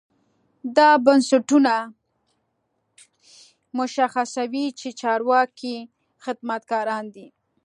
دا بنسټونه مشخصوي چې چارواکي خدمتګاران دي.